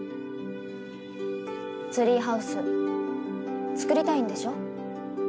ツリーハウス作りたいんでしょ。